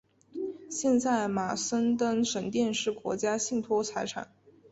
现在马森登神殿是国家信托财产。